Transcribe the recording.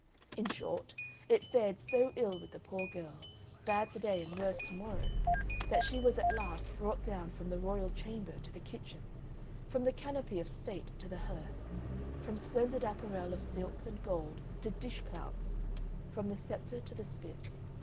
In short, it fared so ill with the poor girl, bad to day and worse to morrow, that she was at last brought down from the royal chamber to the kitchen, from the canopy of state to the hearth, from splendid apparel of silks and gold to dishclouts, from the sceptre to the spit.